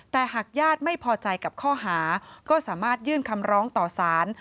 แต่หากญาติไม่พอใจกับข้อหาก็สามารถยื่นคำร้องต่อสาร